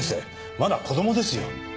まだ子供ですよ。